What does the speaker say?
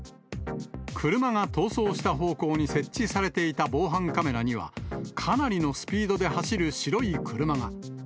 車が逃走した方向に設置されていた防犯カメラには、かなりのスピードで走る白い車が。